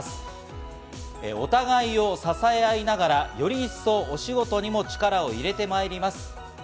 お互いを支え合いながら、より一層お仕事にも力を入れてまいります。